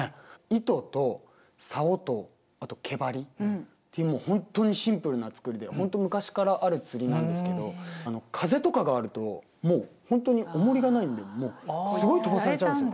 糸とサオとあと毛バリっていうもう本当にシンプルな作りで本当昔からある釣りなんですけど風とかがあるともう本当におもりがないんでもうすごい飛ばされちゃうんですよ。